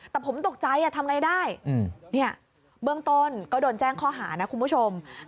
แต่ผมตกใจทำไงได้เบื้องต้นก็โดนแจ้งข้อหานะคุณผู้ชม